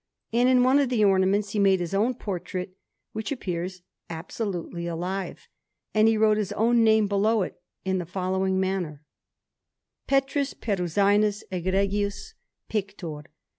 And in one of the ornaments he made his own portrait, which appears absolutely alive, and he wrote his own name below it in the following manner: PETRUS PERUSINUS EGREGIUS PICTOR.